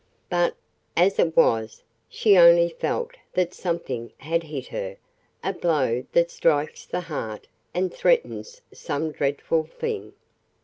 But, as it was, she only felt that something had hit her a blow that strikes the heart and threatens some dreadful thing.